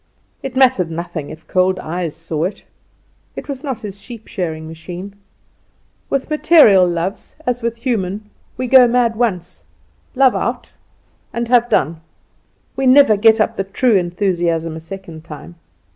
It mattered nothing if cold eyes saw it. It was not his sheep shearing machine. With material loves, as with human, we go mad once, love out, and have done. We never get up the true enthusiasm a second time.